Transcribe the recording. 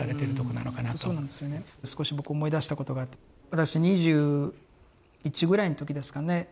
少し僕思い出したことがあって私２１ぐらいの時ですかね